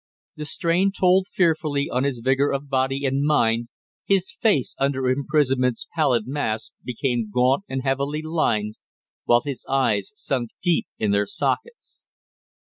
The strain told fearfully on his vigor of body and mind, his face under imprisonment's pallid mask, became gaunt and heavily lined, while his eyes sunk deep in their sockets.